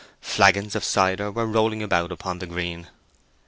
Flagons of cider were rolling about upon the green.